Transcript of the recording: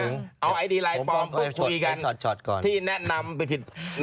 เอาไอดีไลน์ปลอมพูดคุยกัน